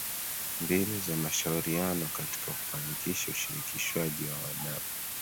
Mbinu za mashauriano katika kufanikisha ushirikishwaji wa wadau